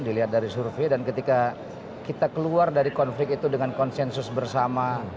dilihat dari survei dan ketika kita keluar dari konflik itu dengan konsensus bersama